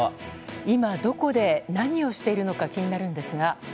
今どこで何をしているのか気になるんですが。